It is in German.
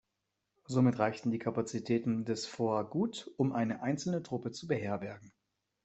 Somit reichten die Kapazitäten des Forts gut, um eine einzelne Truppe zu beherbergen.